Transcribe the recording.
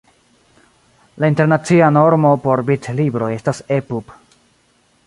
La internacia normo por bitlibroj estas ePub.